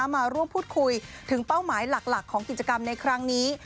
มาร่วมพูดคุยถึงเป้าหมายหลักของกิจกรรมในครั้งนี้